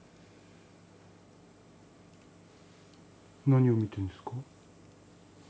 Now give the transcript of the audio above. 何を見てるんですか？